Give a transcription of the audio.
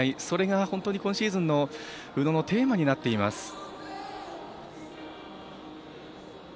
それが本当に今シーズンの宇野のテーマになっています。